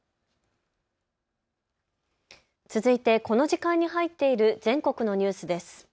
続いてこの時間に入っている全国のニュースです。